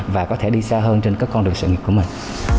và có thể đi xa hơn trên các con đường sự nghiệp của mình